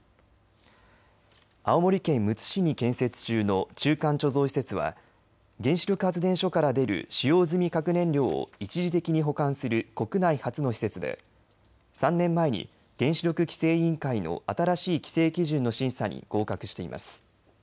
青森県むつ市に建設中の中間貯蔵施設は原子力発電所から出る使用済み核燃料を一時的に保管する国内初の施設で３年前に原子力規制委員の新しい規制値基準の審査に合格しています。